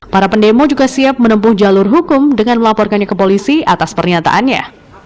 para pendemo juga siap menempuh jalur hukum dengan melaporkannya ke polisi atas pernyataannya